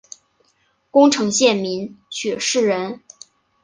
宫城县名取市人。